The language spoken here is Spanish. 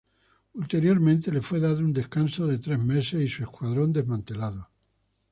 Ulteriormente le fue dado un descanso por tres meses y su escuadrón desmantelado.